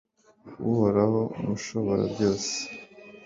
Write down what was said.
uhoraho, mushoborabyose